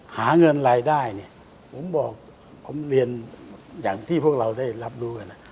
หาเงินรายได้เนี่ยผมบอกผมเรียนอย่างที่พวกเราได้รับรู้กันนะ